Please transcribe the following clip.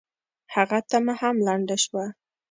هغه تمه هم لنډه شوه.